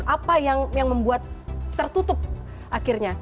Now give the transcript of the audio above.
apa yang membuat tertutup akhirnya